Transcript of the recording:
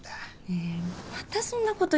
ねえまたそんなこと言って。